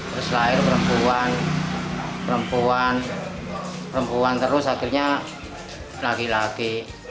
terus lahir perempuan perempuan terus akhirnya laki laki